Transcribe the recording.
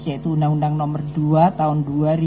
yaitu undang undang nomor dua tahun dua ribu dua